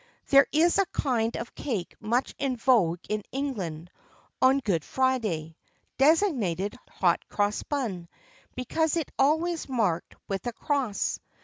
There is a kind of cake much in vogue in England, on Good Friday, designated hot cross bun, because it is always marked with a cross.